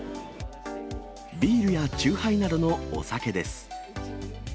ビールや酎ハイなどのお酒です。